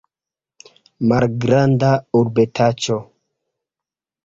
Malgranda urbetaĉo.